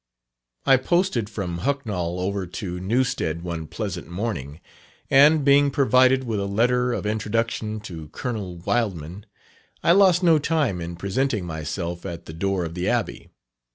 I posted from Hucknall over to Newstead one pleasant morning, and, being provided with a letter of introduction to Colonel Wildman, I lost no time in presenting myself at the door of the Abbey.